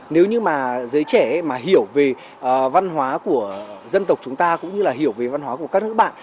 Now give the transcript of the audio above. nếu như mà giới trẻ mà hiểu về văn hóa của dân tộc chúng ta cũng như là hiểu về văn hóa của các nước bạn